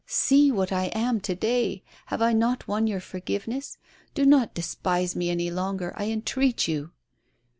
See what I am to day. Have I not won your forgiveness ? Do not despise me any longer, I entreat you.